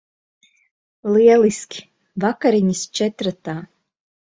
Lieliski. Vakariņas četratā.